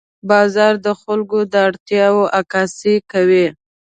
بازار د خلکو د اړتیاوو عکاسي کوي.